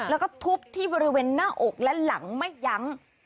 แล้วก็ทุบที่บริเวณหน้าอกและหลังไม่ยั้ง